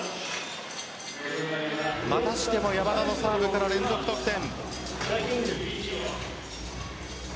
またしても山田のサーブから連続得点。